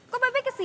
kok pak be ke sini